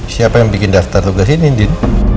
siapa yang bikin daftar tugas ini din